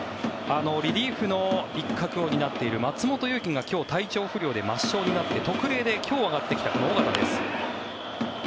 リリーフの一角を担っている松本裕樹が今日、体調不良で抹消になって特例で今日上がってきたこの尾形です。